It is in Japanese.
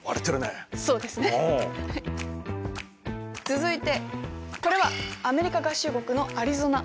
続いてこれはアメリカ合衆国のアリゾナ。